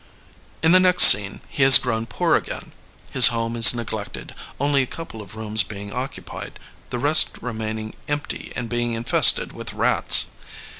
In the next scene he has grown poor again ; his home is neglected, only a couple of rooms being occupied, the rest remaining empty and being infested with rats.